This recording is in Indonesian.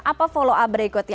apa follow up berikutnya